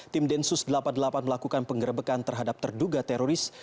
tim densus delapan puluh delapan melakukan penggerbekan terhadap terduga teroris